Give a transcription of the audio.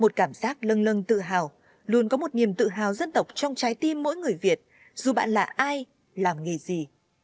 một cảm giác lưng lưng tự hào luôn có một niềm tự hào dân tộc trong trái tim mỗi người việt dù bạn là ai làm nghề gì